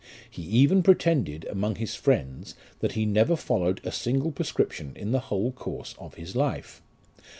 He even pretended, among his friends, that he never followed a single prescription in the whole course of his life.